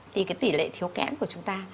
thì cái tỷ lệ thiếu kém của chúng ta